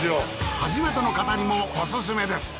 初めての方にもオススメです。